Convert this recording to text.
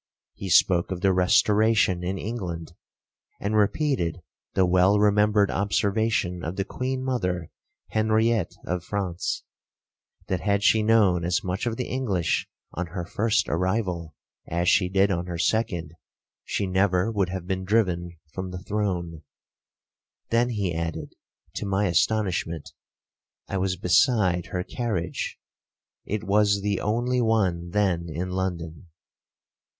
He spoke of the Restoration in England, and repeated the well remembered observation of the queen mother, Henriette of France,—that, had she known as much of the English on her first arrival, as she did on her second, she never would have been driven from the throne; then he added, to my astonishment, I was beside her carriage,1 it was the only one then in London.